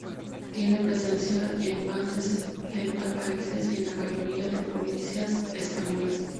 Tiene presencia en más de setenta países y en la mayoría de provincias españolas.